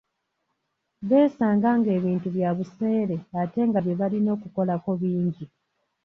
Beesanga ng'ebintu bya buseere ate nga bye balina okukolako bingi.